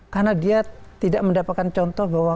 karena dia tidak mendapatkan contoh bahwa